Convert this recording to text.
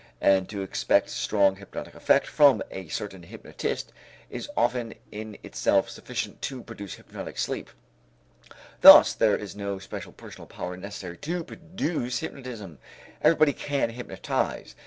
And to expect strong hypnotic effect from a certain hypnotist is often in itself sufficient to produce hypnotic sleep. Thus there is no special personal power necessary to produce hypnotism. Everybody can hypnotize.